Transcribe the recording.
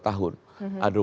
atau dua tahun